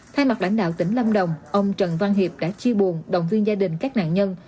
thay mặt lãnh đạo tỉnh lâm đồng ông trần văn hiệp đã chia buồn động viên gia đình các nạn nhân